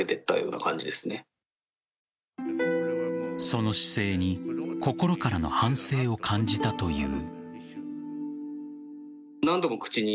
その姿勢に心からの反省を感じたという。